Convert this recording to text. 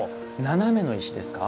斜めの石ですか？